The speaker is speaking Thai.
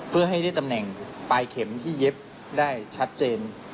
เพื่อให้ได้ตำแหน่งปลายเข็มที่เย็บได้ชัดเจน